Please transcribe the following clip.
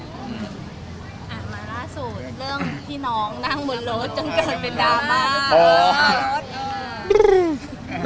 อ่านมาล่ะสู่เรื่องพี่น้องนั่งหมดรถจนกระเป็นดราม่ะ